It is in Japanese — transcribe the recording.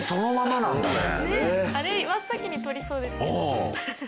あれ真っ先に取りそうですけど。